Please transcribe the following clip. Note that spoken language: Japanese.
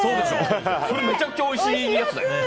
それめちゃくちゃおいしいやつだよ。